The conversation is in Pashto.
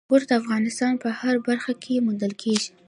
انګور د افغانستان په هره برخه کې موندل کېږي.